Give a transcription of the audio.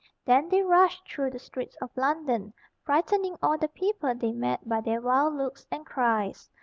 Then they rushed through the streets of London, frightening all the people they met by their wild looks and cries.